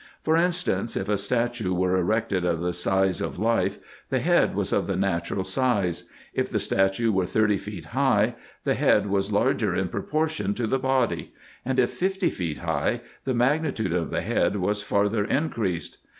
For instance, if a statue were erected of the size of life, the head was of the natural size ; if the statue were thirty feet high, the head was larger in proportion to the body ; and if fifty feet high, the magnitude of the head was far ther increased.